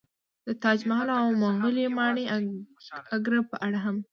د تاج محل او مغولي ماڼۍ اګره په اړه هم